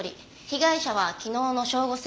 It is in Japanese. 被害者は昨日の正午過ぎ